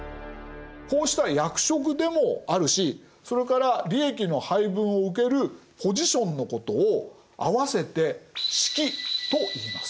こうした役職でもあるしそれから利益の配分を受けるポジションのことを合わせて「職」といいます。